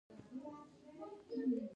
تیل معمولاً شتون لري که مسؤل کس پیدا کړئ